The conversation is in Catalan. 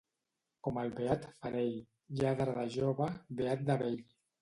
Com el beat Farell, lladre de jove, beat de vell.